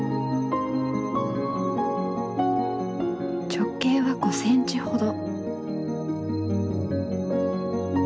直径は５センチほど。